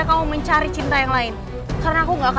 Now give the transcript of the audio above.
kamu tenang ya kamu tenang aja